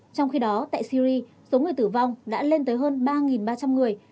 trong khi đó tại syri số người tử vong đã lên tới hơn ba ba trăm linh người